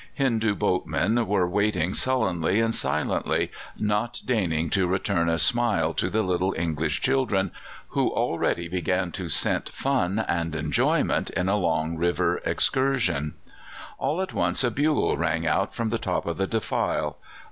Hindoo boatmen were waiting sullenly and silently, not deigning to return a smile to the little English children, who already began to scent fun and enjoyment in a long river excursion. "All at once a bugle rang out from the top of the defile.